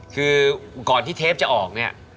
คือก่อนที่เทปจะออกเนี่ย